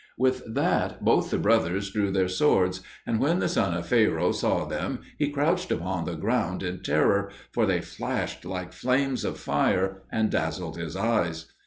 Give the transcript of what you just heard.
With that both the brothers drew their swords, and when the son of Pharaoh saw them he crouched upon the ground in terror, for they flashed like flames of fire and dazzled his eyes.